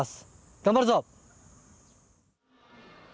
頑張るぞ！